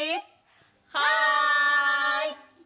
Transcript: はい！